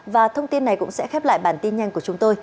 và thông tin này cũng sẽ khép lại bản tin nhanh của chúng tôi